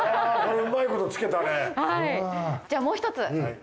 じゃもう一つ。